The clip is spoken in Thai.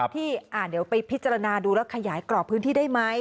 ที่เดี๋ยวไปพิจารณาดูแล้วขยายกรอบพื้นที่ได้ไหม